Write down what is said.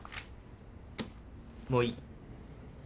もういい。